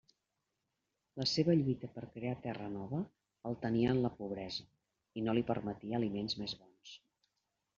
La seua lluita per crear terra nova el tenia en la pobresa, i no li permetia aliments més bons.